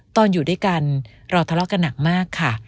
อยู่ด้วยกันเราทะเลาะกันหนักมากค่ะ